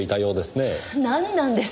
なんなんです？